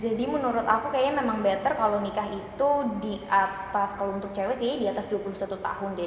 menurut aku kayaknya memang better kalau nikah itu di atas kalau untuk cewek kayaknya di atas dua puluh satu tahun deh